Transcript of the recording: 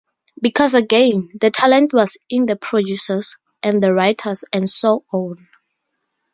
Because again, the talent was in the producers and the writers and so on.